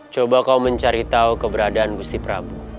coba kau mencari tahu keberadaan besi prabu